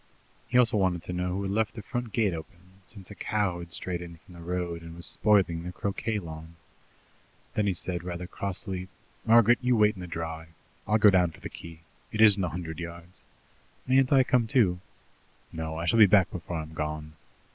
He also wanted to know who had left the front gate open, since a cow had strayed in from the road, and was spoiling the croquet lawn. Then he said rather crossly: "Margaret, you wait in the dry. I'll go down for the key. It isn't a hundred yards. "Mayn't I come too?" "No; I shall be back before I'm gone."